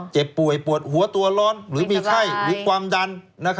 เจ็บป่วยปวดหัวตัวร้อนหรือมีไข้หรือความดัน